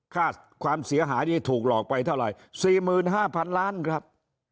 ค่าความเสียหายนี้ถูกหลอกไปเท่าไหร่๔๕๐๐๐ล้านครับ